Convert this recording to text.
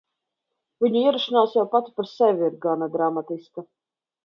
Viņu ierašanās jau pati par sevi ir gana dramatiska.